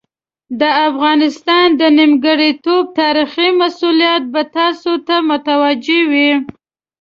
د افغانستان د نیمګړتوب تاریخي مسوولیت به تاسو ته متوجه وي.